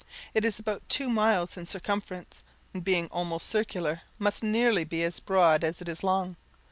It is about two miles in circumference, and being almost circular, must nearly be as broad as it is long.